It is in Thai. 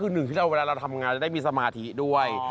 คือหนึ่งที่เราเวลาเราทำงานจะได้มีสมาธิด้วย